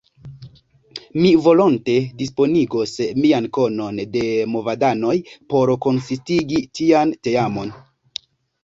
Mi volonte disponigos mian konon de movadanoj por konsistigi tian teamon.